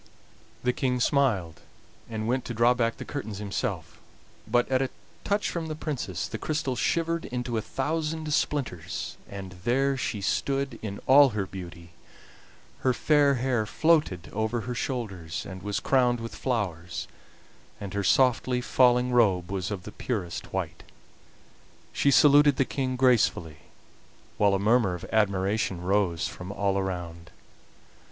The King smiled, and went to draw back the curtains himself, but at a touch from the Princess the crystal shivered into a thousand splinters, and there she stood in all her beauty; her fair hair floated over her shoulders and was crowned with flowers, and her softly falling robe was of the purest white. She saluted the King gracefully, while a murmur of admiration rose from all around.